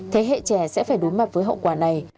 thế hệ trẻ sẽ phải đối mặt với hậu quả này